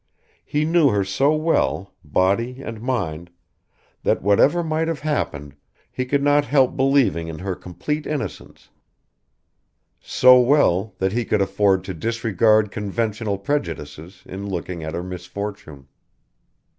He knew her so well, body and mind, that, whatever might have happened, he could not help believing in her complete innocence so well that he could afford to disregard conventional prejudices in looking at her misfortune.